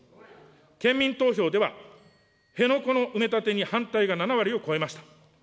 県民投票では辺野古の埋め立てに反対が７割を超えました。